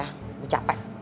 bikinin ibu teh anget ya